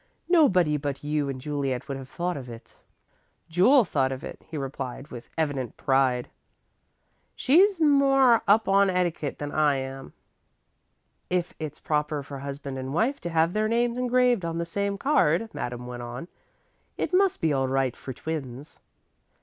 "Nobody but you and Juliet would have thought of it." "Jule thought of it," he replied, with evident pride. "She's more up on etiquette than I am." "If it's proper for husband and wife to have their names engraved on the same card," Madame went on, "it must be all right for twins."